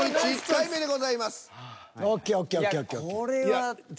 １回目でございます。